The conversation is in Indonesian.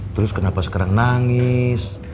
terus kenapa sekarang nangis